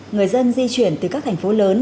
người dân di chuyển từ các thành phố lớn